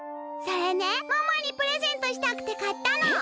それねママにプレゼントしたくてかったの。